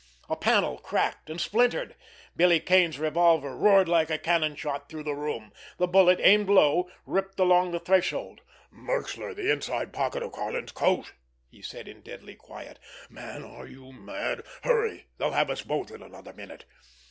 A panel cracked and splintered. Billy Kane's revolver roared like a cannon shot through the room. The bullet, aimed low, ripped along the threshold. "Merxler, the inside pocket of Karlin's coat!" he said in deadly quiet. "Man, are you mad! Hurry! They'll have us both in another minute!"